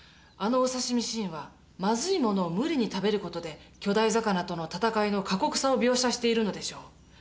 あのお刺身シーンはまずいものを無理に食べる事で巨大魚との戦いの過酷さを描写しているのでしょう。